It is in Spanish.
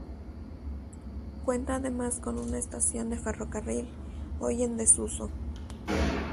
Cuenta además con una estación de ferrocarril, hoy en desuso.